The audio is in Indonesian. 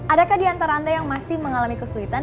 adakah di antara anda yang masih mengalami kesulitan